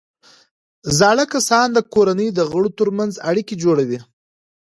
زاړه کسان د کورنۍ د غړو ترمنځ اړیکې جوړوي